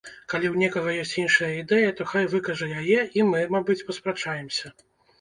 Калі ў некага ёсць іншая ідэя, то хай выкажа яе і мы, мабыць, паспрачаемся.